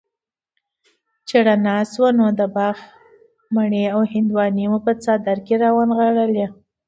چې رڼا شوه نو د باغ مڼې او هندواڼې مو څادر کي را ونغاړلې